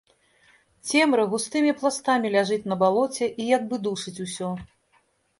Цемра густымі пластамі ляжыць на балоце і як бы душыць усё.